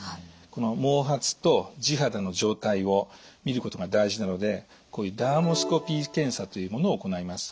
この毛髪と地肌の状態をみることが大事なのでこういうダーモスコピー検査というものを行います。